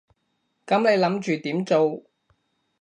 噉你諗住點做？